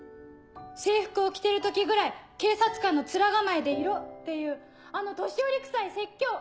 「制服を着てる時ぐらい警察官の面構えでいろ」っていうあの年寄りくさい説教！